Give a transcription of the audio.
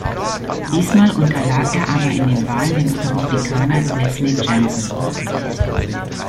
Diesmal unterlag er aber in den Wahlen dem Republikaner Leslie Jensen.